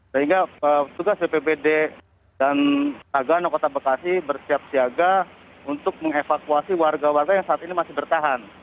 sehingga juga cppd dan taga anak kota bekasi bersiap siaga untuk mengevakuasi warga warga yang saat ini masih bertahan